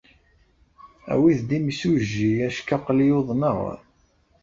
Awit-d imsujji acku aql-iyi uḍneɣ.